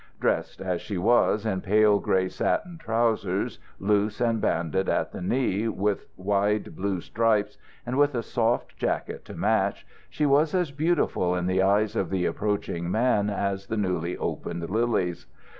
Dressed, as she was, in pale gray satin trousers, loose, and banded at the knee with wide blue stripes, and with a soft jacket to match, she was as beautiful in the eyes of the approaching man as the newly opened lilies.